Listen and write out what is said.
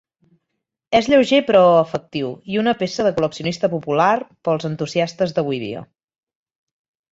És lleuger però efectiu, i una peça de col·leccionista popular per als entusiastes d'avui dia.